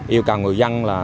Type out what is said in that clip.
yêu cầu người dân